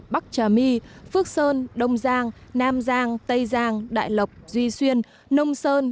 bắc trà my phước sơn đông giang nam giang tây giang đại lộc duy xuyên nông sơn